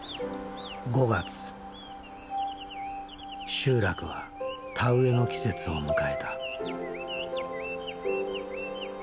集落は田植えの季節を迎えた。